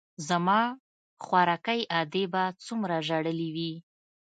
زما خواركۍ ادې به څومره ژړلي وي.